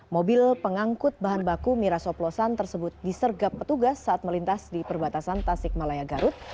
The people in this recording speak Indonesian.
mobil pengangkut bahan baku miras oplosan tersebut disergap petugas saat melintas di perbatasan tasik malaya garut